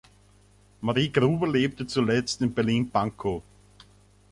Marie Gruber lebte zuletzt in Berlin-Pankow.